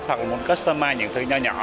hoặc muốn customize những thứ nhỏ nhỏ